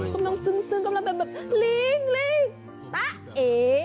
กำลังซึ้งกำลังเป็นแบบลิงลิงตะเอ